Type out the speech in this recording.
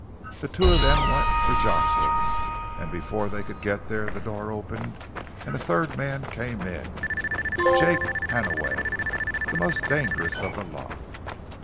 The two of them went for Jocelyn, and before they could get there the door opened and a third man came in Jake Hannaway, the most dangerous of the lot.